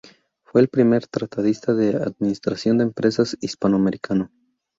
Fue el primer tratadista de Administración de empresas hispanoamericano.